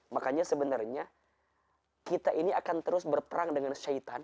makanya sebenarnya kita ini akan terus berperang dengan syahitan